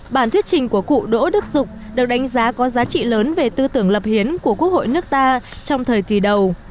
bản thuyết trình của cụ đỗ đức dục được đánh giá có giá trị lớn về tư tưởng lập hiến của quốc hội nước ta trong thời kỳ đầu